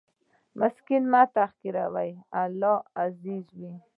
مسکین مه تحقیر کړه، الله ته عزیز وي.